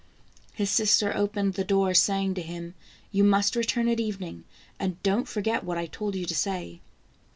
His sister opened the door, saying to him: "You must return at evening, and don't forget what I told you to say."